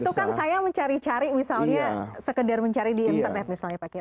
itu kan saya mencari cari misalnya sekedar mencari di internet misalnya pak kiai